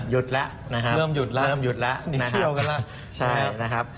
หยุดแล้วนะครับหยุดแล้วนะครับนิเชียวกันแล้วใช่นะครับเริ่มหยุดแล้ว